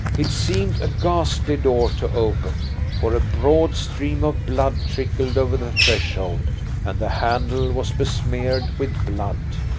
It seemed a ghastly door to open, for a broad stream of blood trickled over the threshold and the handle was besmeared with blood.